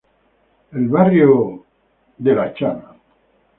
El barrio St.